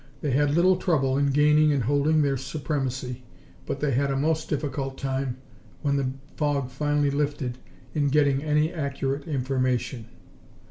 They had little trouble in gaining and holding air supremacy, but they had a most difficult time, when the fog finally lifted, in getting any accurate information.